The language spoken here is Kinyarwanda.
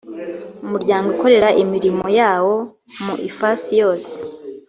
umuryango ukorera imirimo yawo mu ifasi yose.